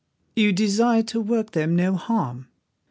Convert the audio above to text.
"You desire to work them no harm.